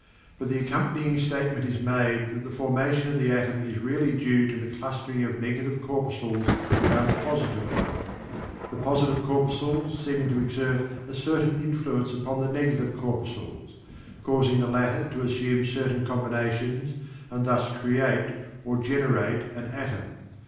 But the accompanying statement is made that the formation of the atom is really due to the clustering of negative corpuscles around a positive one the positive corpuscles seeming to exert a certain influence upon the negative corpuscles, causing the latter to assume certain combinations and thus "create" or "generate" an atom.